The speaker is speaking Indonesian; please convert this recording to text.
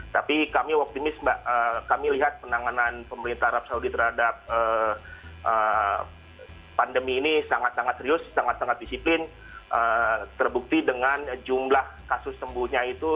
tapi kami optimis mbak kami lihat penanganan pemerintah arab saudi terhadap pandemi ini sangat sangat serius sangat sangat disiplin terbukti dengan jumlah kasus sembuhnya itu